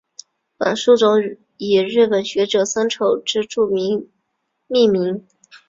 本树种以日本学者森丑之助命名。